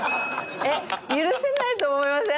許せないと思いません？